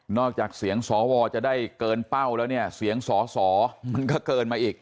จากเสียงสวจะได้เกินเป้าแล้วเนี่ยเสียงสอสอมันก็เกินมาอีก